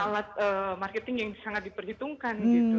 alat marketing yang sangat diperhitungkan gitu